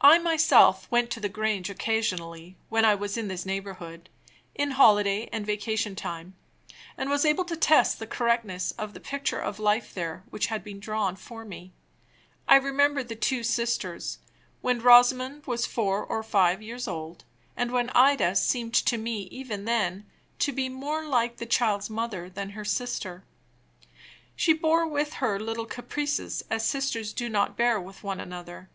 I myself went to the Grange occasionally, when I was in this neighborhood, in holiday and vacation time; and was able to test the correctness of the picture of life there which had been drawn for me. I remember the two sisters, when Rosamond was four or five years old; and when Ida seemed to me, even then, to be more like the child's mother than her sister. She bore with her little caprices as sisters do not bear with one another.